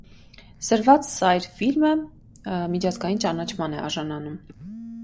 «Սրված սայր» ֆիլմը միջազգային ճանաչման է արժանանում։